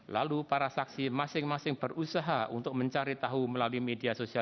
lalu para saksi masing masing berusaha untuk mencari tahu melalui media sosial